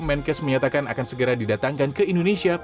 menkes menyatakan akan segera didatangkan ke indonesia